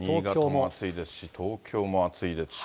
新潟も暑いですし、東京も暑いですし。